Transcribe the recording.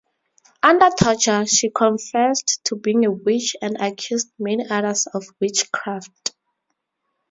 Under torture, she confessed to being a witch and accused many others of witchcraft.